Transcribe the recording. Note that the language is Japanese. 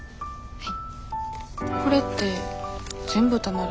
はい。